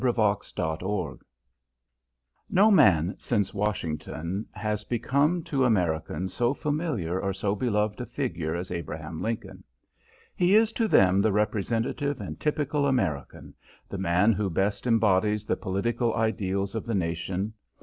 ] INTRODUCTION No man since Washington has become to Americans so familiar or so beloved a figure as Abraham Lincoln. He is to them the representative and typical American, the man who best embodies the political ideals of the nation.